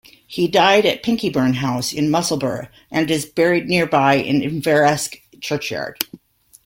He died at Pinkieburn House in Musselburgh and is buried nearby in Inveresk Churchyard.